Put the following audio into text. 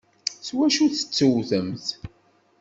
S wacu tettewtemt?